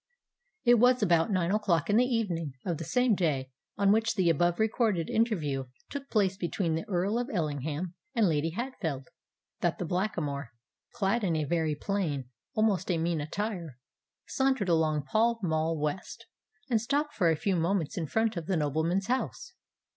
It was about nine o'clock in the evening of the same day on which the above recorded interview took place between the Earl of Ellingham and Lady Hatfield, that the Blackamoor, clad in a very plain—almost a mean attire, sauntered along Pall Mall West, and stopped for a few moments in front of the nobleman's house.